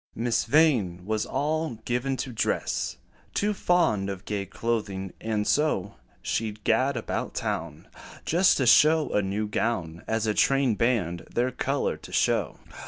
Miss Vain was all given to dress Too fond of gay clothing; and so, She 'd gad about town Just to show a new gown, As a train band their color to show.